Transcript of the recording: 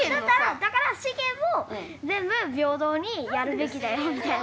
だから資源も全部平等にやるべきだよみたいな。